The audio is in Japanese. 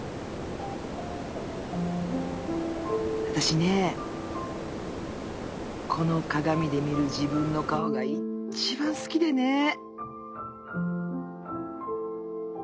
私ねこの鏡で見る自分の顔がいちばん好きでね。